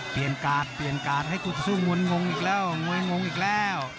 เปลี่ยนการ์ดเปลี่ยนการ์ดให้กุธสู้มนต์งงอีกแล้วมนต์งงอีกแล้ว